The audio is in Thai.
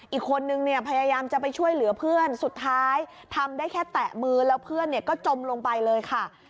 อีกคนนึงเนี่ยพยายามจะไปช่วยเหลือเพื่อนสุดท้ายทำได้แค่แตะมือแล้วเพื่อนก็จมลงไปเลยค่ะ